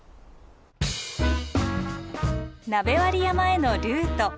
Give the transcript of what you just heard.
鍋割山へのルート。